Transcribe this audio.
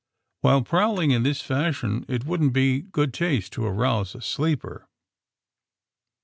While prowling in this fashion it wouldn't be good taste to arouse a sleeper."